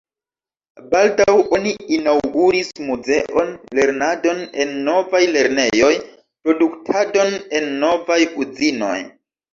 Baldaŭ oni inaŭguris muzeon, lernadon en novaj lernejoj, produktadon en novaj uzinoj.